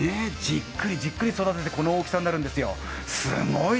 じっくりじっくり育ててこの大きさになるんですよ。